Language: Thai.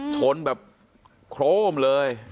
ชนแบบโครมเลย